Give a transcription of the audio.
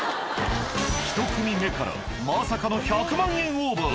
１組目からまさかの１００万円オーバー。